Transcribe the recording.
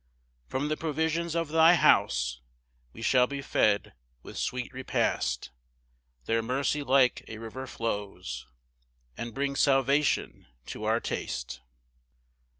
5 From the provisions of thy house We shall be fed with sweet repast; There mercy like a river flows, And brings salvation to our taste.